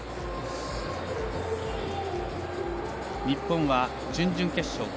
日本は準々決勝